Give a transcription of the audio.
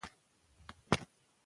مونږ مڼې خورو.